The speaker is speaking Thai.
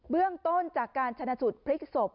เบื้องต้นจากการชนะสูตรพลิกศพ